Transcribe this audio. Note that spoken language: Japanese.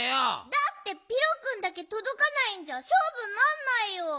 だってピロくんだけとどかないんじゃしょうぶになんないよ。